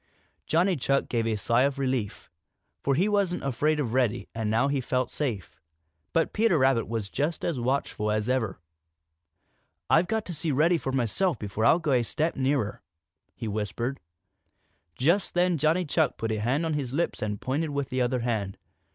Johnny Chuck gave a sigh of relief, for he wasn't afraid of Reddy and now he felt safe. But Peter Rabbit was just as watchful as ever. "I've got to see Reddy for myself before I'll go a step nearer," he whispered. Just then Johnny Chuck put a hand on his lips and pointed with the other hand.